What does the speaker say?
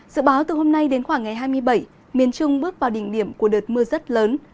dự báo từ hôm nay đến khoảng ngày hai mươi bảy miền trung bước vào đỉnh điểm của đợt mưa rất lớn